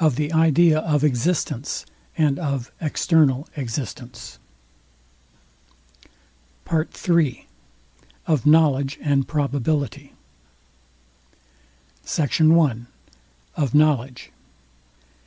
OF THE IDEA OF EXISTENCE, AND OF EXTERNAL EXISTENCE. PART III. OF KNOWLEDGE AND PROBABILITY. SECT. I. OF KNOWLEDGE.